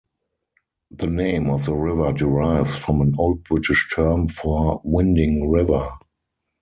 The name of the river derives from an old British term for "winding river".